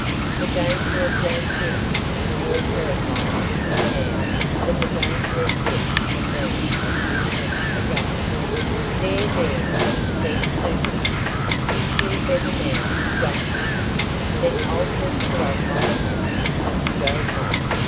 The danger of damp "things" was more terrifying to him now than the danger of death had been a few minutes ago. "There, there," he said soothingly, "you feel better now don't you? Then I'll just put on my coat, if you don't mind.